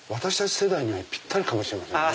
世代にはぴったりかもしれませんね。